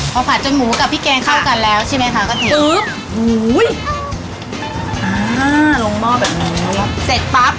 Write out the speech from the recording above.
เข้าไปเลยเพราะว่ามันจะได้ซึมข้อน้ำ